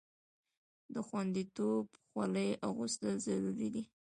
د خوندیتوب خولۍ اغوستل ضروري دي.